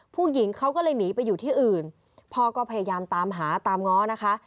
ผู้หญิงเขาก็เลยหนีไปอยู่ที่อื่นพ่อก็พยายามตามหาตามง้อนะคะ